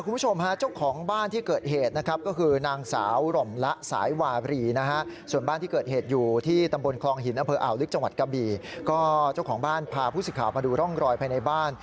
พาผู้สิทธิ์ข่าวมาดูร่องรอยไปในบ้าน